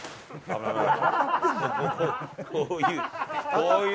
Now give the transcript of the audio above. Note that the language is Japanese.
こういう。